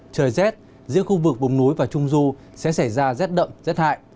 trời rét giữa khu vực vùng núi và trung du sẽ xảy ra rét đậm rét hại